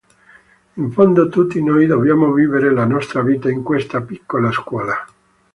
In fondo tutti noi dobbiamo vivere la nostra vita in questa piccola scuola.